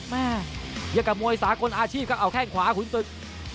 มาอย่างกับมวยสากลอาชีพครับเอาแข้งขวาขุนศึก